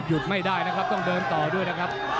ไม่ได้นะครับต้องเดินต่อด้วยนะครับ